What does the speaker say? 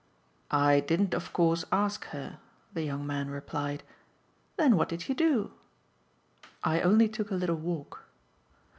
"I didn't of course ask her," the young man replied. "Then what did you do?" "I only took a little walk."